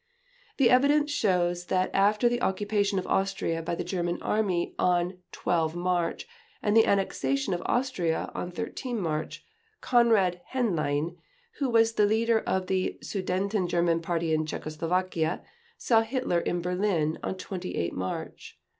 The evidence shows that after the occupation of Austria by the German Army on 12 March and the annexation of Austria on 13 March, Conrad Henlein, who was the leader of the Sudeten German Party in Czechoslovakia, saw Hitler in Berlin on 28 March.